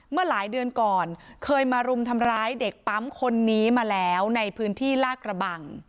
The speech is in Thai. เมื่อหลายเดือนก่อนเคยมารุมทำร้ายเด็กปั๊มคนนี้มาแล้วในพื้นที่ลากระบัง